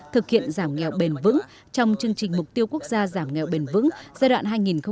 thực hiện giảm nghèo bền vững trong chương trình mục tiêu quốc gia giảm nghèo bền vững giai đoạn hai nghìn hai mươi một hai nghìn hai mươi năm